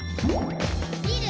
「みる！